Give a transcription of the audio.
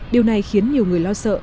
điều này khiến nhiều người lo sợ